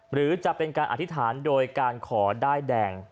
หรือจะเป็นการอธิษฐานโดยการขอด้ายแดง